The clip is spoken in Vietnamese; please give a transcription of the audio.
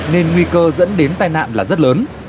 nên nguy cơ dẫn đến tai nạn là rất lớn